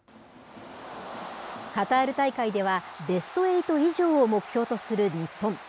カタール大会では、ベストエイト以上を目標とする日本。